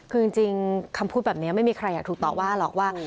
คือจริงคำพูดแบบนี้ไม่มีใครอยากถูกต่อว่าหรอกว่า